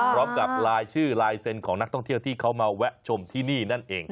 พร้อมกับลายชื่อลายเซ็นต์ของนักท่องเที่ยวที่เขามาแวะชมที่นี่นั่นเอง